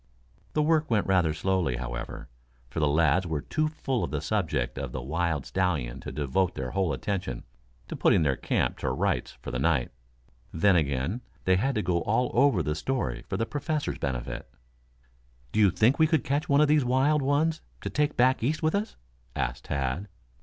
The work went rather slowly, however, for the lads were too full of the subject of the wild stallion to devote their whole attention to putting their camp to rights for the night. Then again, they had to go all over the story for the Professor's benefit. "Do you think we could catch one of these wild ones to take back East with us?" asked Tad.